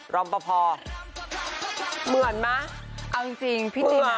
รอมปะพอร์เหมือนมะเอาจริงจริงพี่จินอ่ะ